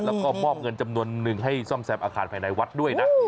แล้วก็มอบเงินจำนวนนึงให้ซ่อมแซมอาคารภายในวัดด้วยนะ